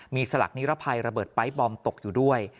มีสลักนิรภัยระเบิดไป๊ตบอมตกอยู่ด้วย